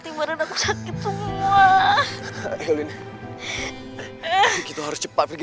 gara gara saya kok jadi terluka seperti ini